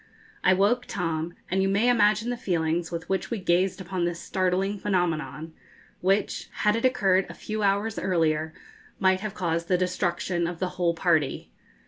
I woke Tom, and you may imagine the feelings with which we gazed upon this startling phenomenon, which, had it occurred a few hours earlier, might have caused the destruction of the whole party.